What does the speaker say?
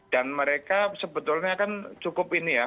dan mereka sebetulnya kan cukup ini ya